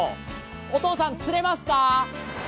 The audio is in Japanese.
お父さん、釣れますか？